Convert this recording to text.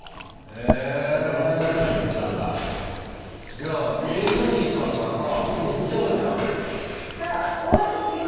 じゃあ従業員さんがさ減っちゃうじゃん。